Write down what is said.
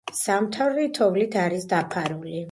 ზამთარში თოვლით არის დაფარული.